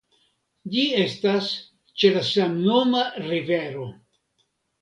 Ĝi estas ĉe la samnoma rivero.